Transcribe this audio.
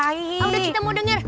udah kita mau denger